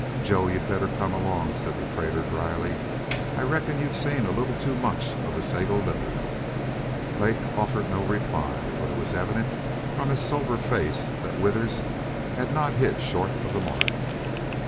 "Joe, you'd better come along," said the trader, dryly. "I reckon you've seen a little too much of the Sago Lily." Lake offered no reply, but it was evident from his sober face that Withers had not hit short of the mark.